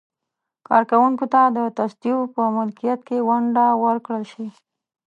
کارکوونکو ته د تصدیو په ملکیت کې ونډه ورکړل شي.